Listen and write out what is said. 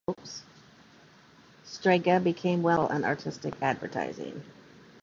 Strega became well known for its colourful and artistic advertising.